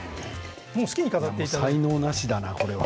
才能なしだな、これは。